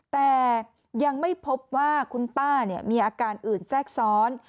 แต่ยังไม่พบว่าคุณป้ามีอาการอื่นแทรกซ้อน